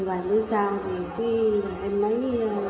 vài mươi sau thì em lấy